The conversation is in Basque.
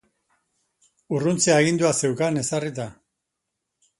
Urruntze agindua zeukan ezarrita.